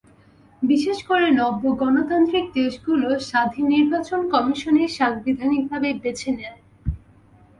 বিশেষ করে নব্য গণতান্ত্রিক দেশগুলো স্বাধীন নির্বাচন কমিশনই সাংবিধানিকভাবে বেছে নেয়।